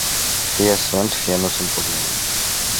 Fie sunt, fie nu sunt probleme.